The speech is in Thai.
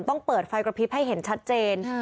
ต้องเปิดไฟกระพริบให้เห็นชัดเจน